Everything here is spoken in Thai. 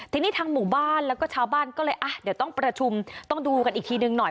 ทีนี้ทางหมู่บ้านแล้วก็ชาวบ้านก็เลยอ่ะเดี๋ยวต้องประชุมต้องดูกันอีกทีหนึ่งหน่อย